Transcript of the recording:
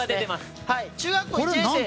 中学校１年生。